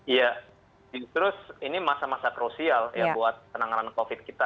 iya terus ini masa masa krusial ya buat penanganan covid sembilan belas kita